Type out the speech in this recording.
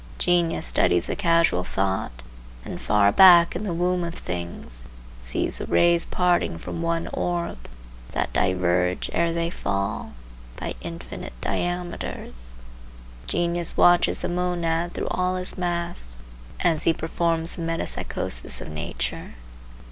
Genius studies the causal thought, and far back in the womb of things sees the rays parting from one orb, that diverge, ere they fall, by infinite diameters. Genius watches the monad through all his masks as he performs the metempsychosis of nature.